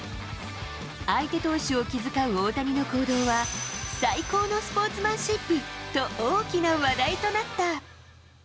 相手投手を気遣う大谷の行動は、最高のスポーツマンシップと、大きな話題となった。